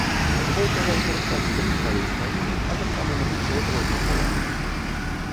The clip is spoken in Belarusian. Збольшага карыстальнікаў цікавяць навіны, а таксама набыццё розных тавараў.